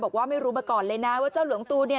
บอกว่าไม่รู้มาก่อนเลยนะว่าเจ้าหลวงตูเนี่ย